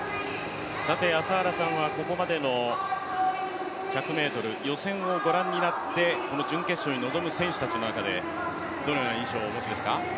朝原さんはここまでの１００ｍ予選をご覧になって、この準決勝に臨む選手たちの中で、どのような印象をお持ちですか？